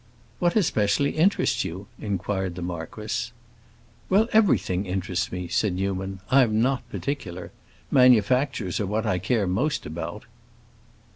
"What especially interests you?" inquired the marquis. "Well, everything interests me," said Newman. "I am not particular. Manufactures are what I care most about."